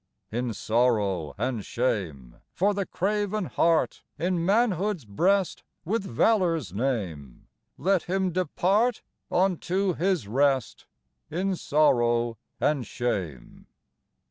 In sorrow and shame For the craven heart, In manhood's breast With valor's name, Let him depart Unto his rest In sorrow and shame.